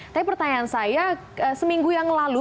tapi pertanyaan saya seminggu yang lalu